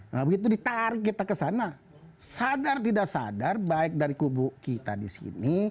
nah begitu ditarik kita ke sana sadar tidak sadar baik dari kubu kita di sini